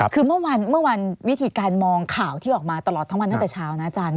คือเมื่อวันวิธีการมองข่าวที่ออกมาตลอดทั้งวันตั้งแต่เช้านะอาจารย์